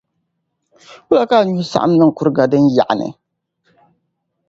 Wula ka a nyuhi saɣam n-niŋ kuriga din yaɣi ni?